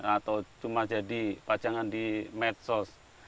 atau cuma jadi pajangan di medsos